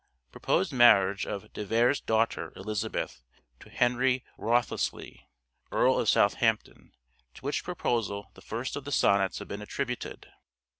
Proposed marriage of De Vere's daughter, Elizabeth, to Henry Wriothesley, Earl of Southampton, to which proposal the first of the sonnets have been attributed.